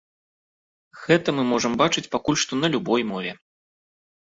Гэта мы можам бачыць пакуль што на любой мове.